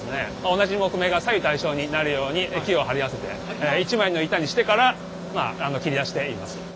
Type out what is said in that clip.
同じ木目が左右対称になるように木を貼り合わせて一枚の板にしてから切り出しています。